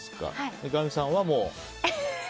三上さんはもう。